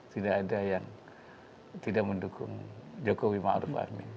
tidak ada yang tidak mendukung jokowi ma'ruf